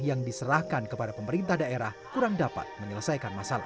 yang diserahkan kepada pemerintah daerah kurang dapat menyelesaikan masalah